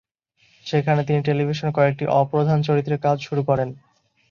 সেখানে তিনি টেলিভিশনে কয়েকটি অপ্রধান চরিত্রে কাজ শুরু করেন।